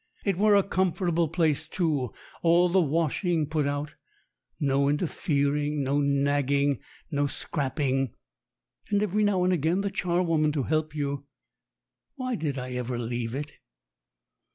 It were a comfortable place too all the washing put out, no interfering, no nagging, no scraping, and every now and again the charwoman to help you. Why did I ever leave it?